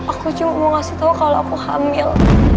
aku cuma mau kasih tahu kalau aku hamil